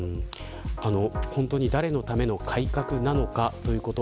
誰のための改革なのかということ。